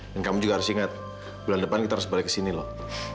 dan kamu juga harus ingat bulan depan kita harus balik ke sini loh